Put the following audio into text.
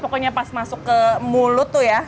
pokoknya pas masuk ke mulut tuh ya